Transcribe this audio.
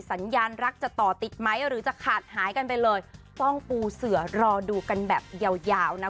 สัญญาณรักจะต่อติดไหมหรือจะขาดหายกันไปเลยต้องปูเสือรอดูกันแบบยาวยาวนะ